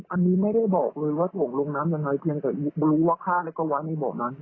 อันนี้ไม่ได้บอกเลยว่าถงลงน้ำยังไงเพียงแต่รู้ว่าฆ่าแล้วก็ไว้ในเบาะนั้น